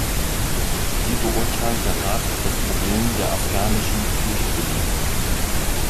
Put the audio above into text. Wie beurteilt der Rat das Problem der afghanischen Flüchtlinge?